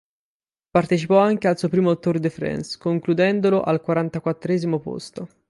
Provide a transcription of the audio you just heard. Partecipò anche al suo primo Tour de France, concludendolo al quarantaquattresimo posto.